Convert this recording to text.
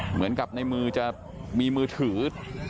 เหมือนกับในมือจะมีมือถือ